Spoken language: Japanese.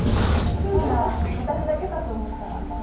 私だけかと思ったら。